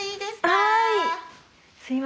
はい！